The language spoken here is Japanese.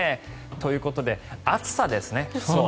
ということで暑さですね。